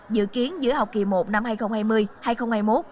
dự kiến giữa học kỳ một năm hai nghìn hai mươi hai nghìn hai mươi một